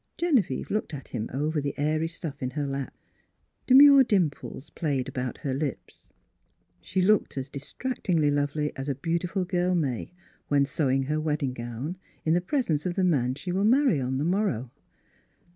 Genevieve looked at him over the airy stuff in her lap; demure dimples played about her lips. She looked as distract ingly lovely as a beautiful girl may, when sewing her wed ding gown in the presence of the man she will marry on the morrow.